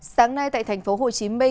sáng nay tại tp hcm